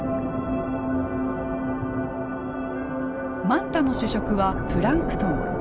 マンタの主食はプランクトン。